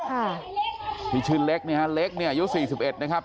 ค่ะที่ชื่อเล็กเนี่ยฮะเล็กเนี่ยอายุสี่สิบเอ็ดนะครับ